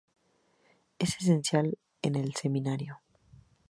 Es esencial en el seminario.